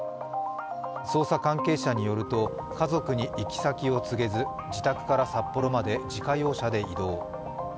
捜査関係者によると家族に行き先を告げず、自宅から札幌まで自家用車で移動。